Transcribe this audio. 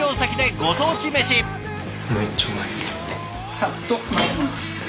サッとまぜます。